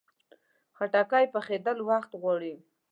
خټکی پخېدل وخت غواړي.